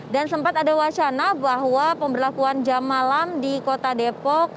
dan sempat ada wacana bahwa pemberlakuan jam malam di kota depok